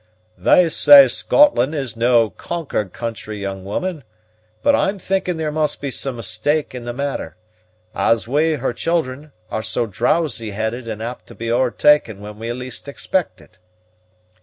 "They say Scotland is no conquered country, young woman, but I'm thinking there must be some mistak' in the matter, as we, her children, are so drowsy headed and apt to be o'ertaken when we least expect it."